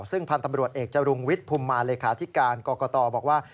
ซึ่งพันธ์ตำรวจเอกจรุงวิทย์ภูมิมาเลขาธิการกรกตบอกว่า